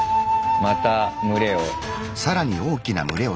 また群れを。